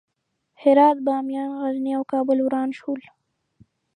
هرات، بامیان، غزني او کابل وران شول.